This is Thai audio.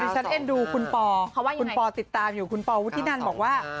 อดิชั่นเอ็นดูคุณปอล์คุณปอล์ติดตามอยู่คุณปอล์ฟูทินั่นบอกว่า